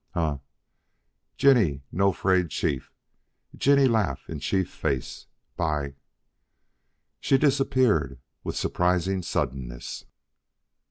"Huh. Jinny no afraid chief. Jinny laugh in chief face. Bye." She disappeared with surprising suddenness.